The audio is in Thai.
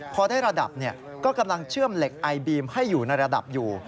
พอได้ระดับก็กำลังเชื่อมเหล็กไอบีมให้อยู่ในระดับอยู่